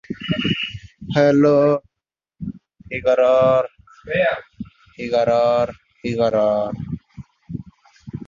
Software architecture এর উদ্দেশ্য হচ্ছে মৌলিক কাঠামো নির্বাচন করা, একবার বাস্তবায়িত হওয়ার পর যার পরবর্তিতে ব্যয়বহুল হয়ে দাঁড়ায়।